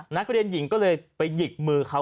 นักเรียนหญิงก็เลยไปหยิกมือเขา